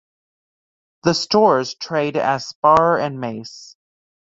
The stores trade as Spar and Mace.